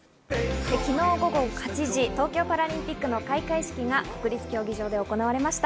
昨日午後８時、東京パラリンピックの開会式が国立競技場で行われました。